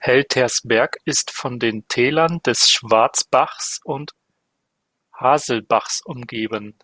Heltersberg ist von den Tälern des Schwarzbachs und Haselbachs umgeben.